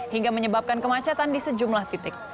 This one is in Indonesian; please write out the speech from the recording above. hingga menyebabkan kemacetan di sejumlah titik